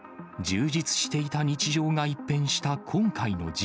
充実していた日常が一変した